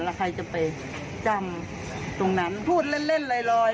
แล้วใครจะไปจำตรงนั้นพูดเล่นลอย